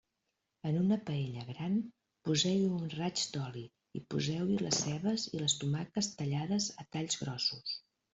En una paella gran, poseu-hi un raig d'oli i poseu-hi les cebes i les tomates tallades a talls grossos.